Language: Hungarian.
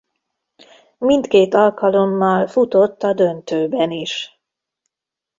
Mindkét alkalommal futott a döntőben is.